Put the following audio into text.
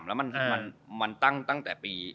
แล้วมันตั้งตั้งแต่ปี